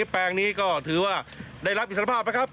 แปลงนี้ก็ถือว่าได้รับอิสรภาพนะครับ